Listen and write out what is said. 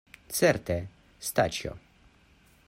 Certe, Staĉjo?